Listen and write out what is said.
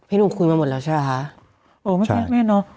พี่หนูคุยมาหมดแล้วใช่หรอฮะเออไม่ใช่ไม่เนอะ